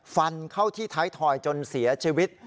ฟันเข้าที่ท้ายถอยจนเสียชีวิต